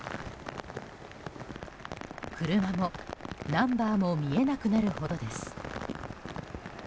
車も、ナンバーも見えなくなるほどです。